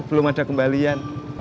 belum ada kembalian